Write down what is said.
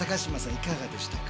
いかがでしたか？